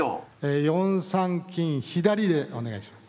４三金左でお願いします。